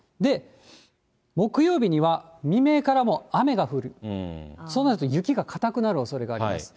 木曜日には未明からもう雨が降る、そうなると雪がかたくなるおそれがあります。